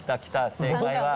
正解は？